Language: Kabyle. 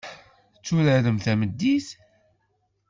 Tturaren tameddit.